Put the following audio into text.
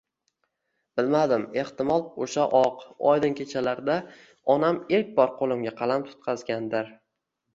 Bilmadim, ehtimol o‘sha oq, oydin kechalarda onam ilk bor qo‘limga qalam tutqazgandir.